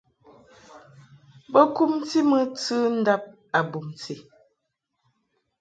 Bo kumti mɨ tundab a bumti.